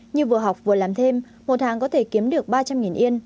như vừa học vừa làm thêm một hàng có thể kiếm được ba trăm linh yên